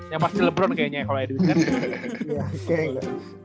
yang pasti lebron kayaknya kalau edwin kan